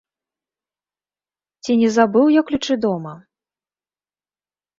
Ці не забыў я ключы дома?